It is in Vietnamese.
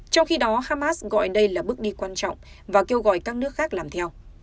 trong khi đó hamas gọi đây là bước đi quan trọng và kêu gọi các nước khác làm theo